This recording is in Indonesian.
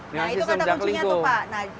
nah itu kan tak kuncinya tuh pak